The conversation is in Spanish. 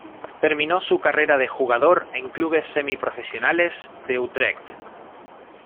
Terminó su carrera de jugador en clubes semi-profesionales de Utrecht.